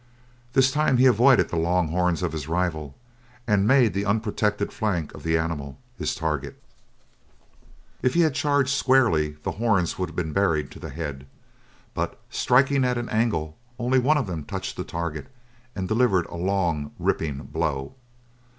This time he avoided the long horns of his rival and made the unprotected flank of the animal his target. If he had charged squarely the horns would have been buried to the head; but striking at an angle only one of them touched the target and delivered a long, ripping blow.